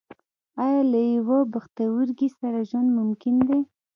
ایا له یوه پښتورګي سره ژوند ممکن دی